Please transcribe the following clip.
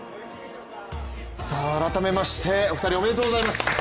改めましてお二人おめでとうございます。